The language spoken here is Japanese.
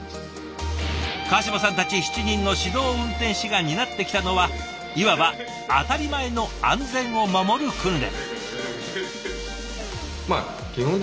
川島さんたち７人の指導運転士が担ってきたのはいわば当たり前の安全を守る訓練。